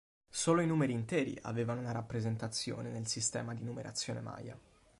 Solo i numeri interi avevano una rappresentazione nel sistema di numerazione maya.